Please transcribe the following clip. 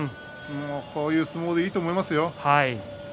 こういう相撲でいいと思いますよ。